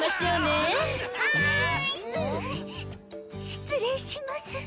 失礼します。